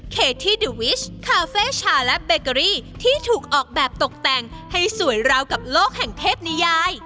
เคที่ดิวิชคาเฟ่ชาและเบเกอรี่ที่ถูกออกแบบตกแต่งให้สวยราวกับโลกแห่งเทพนิยาย